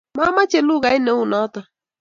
mamache lukait ne u noto